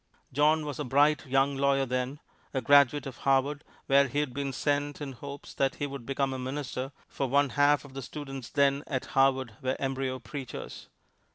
John was a bright young lawyer then, a graduate of Harvard, where he had been sent in hopes that he would become a minister, for one half the students then at Harvard were embryo preachers.